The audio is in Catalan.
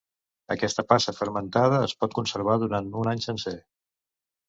Aquesta pasta fermentada es pot conservar durant un any sencer.